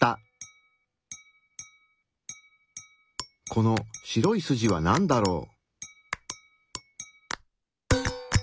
この白い筋はなんだろう？